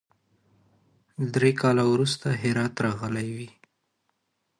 درې کاله وروسته هرات راغلی وي.